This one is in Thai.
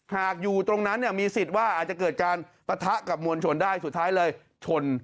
อยู่ตรงนั้นเนี่ยมีสิทธิ์ว่าอาจจะเกิดการปะทะกับมวลชนได้สุดท้ายเลยชน